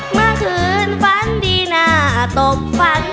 มาคือสาวเต็มกายหาผู้ชายถูกใจไม่มี